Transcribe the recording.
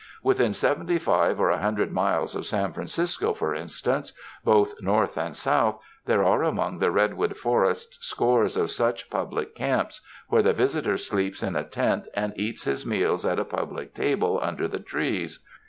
Within seventy five or a hundred miles of San Francisco, for instance, both north and south, there are among the redwood forests scores of such public camps, where the visitor sleeps in a tent and eats his meals at a public table under the trees.